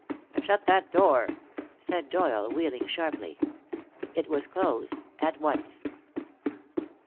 "Shut that door," said Doyle, wheeling sharply. It was closed at once.